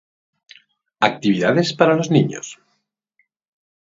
Actividades para los niños